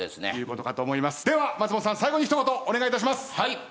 では松本さん最後に一言お願いいたします！